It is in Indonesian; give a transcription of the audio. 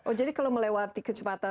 oh jadi kalau melewati kecepatan